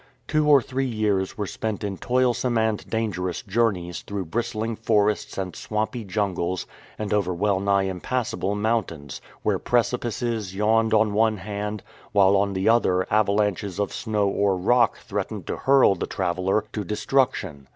Two or three years were spent in toilsome and dangerous journeys through bristling forests and swampy jungles, and over well nigh impassable mountains, where precipices yawned on one hand, while on the other avalanches of snow or rock threatened to hurl the traveller to destruction.